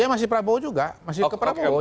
ya masih prabowo juga masih ke prabowo